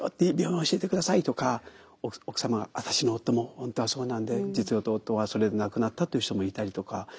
いい病院教えて下さい」とか奥様が「私の夫も本当はそうなんで実は夫はそれで亡くなった」という人もいたりとか。